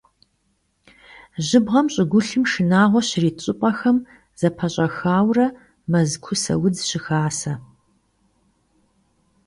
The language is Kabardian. Жьыбгъэм щӀыгулъым шынагъуэ щрит щӀыпӀэхэм зэпэщӀэхаурэ мэз кусэ удз щыхасэ.